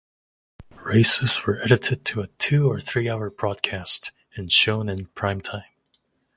Races were edited to a two- or three-hour broadcast, and shown in prime time.